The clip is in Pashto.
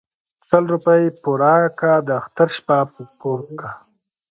ـ سل روپۍ پوره كه داختر شپه په كور كه.